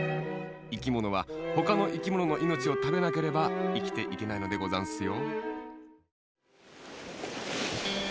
いきものはほかのいきもののいのちをたべなければいきていけないのでござんすよ。